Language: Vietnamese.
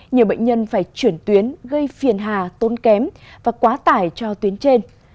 nhiều bệnh nhân phải chuyển tuyến gây phiền hà tốn kém và quá tải cho tuyến trên